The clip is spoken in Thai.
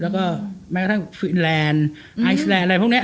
แล้วก็แม้กระทั่งฟินแลนด์ไอซแลนด์อะไรพวกนี้